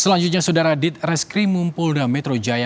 selanjutnya sudara dit reskrim mumpul dan metro jaya